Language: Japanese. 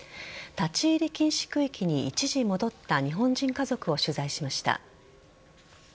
立ち入り禁止区域に一時戻った日本人家族を取材しました。